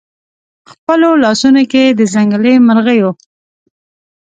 خپلو لاسونو کې د ځنګلي مرغیو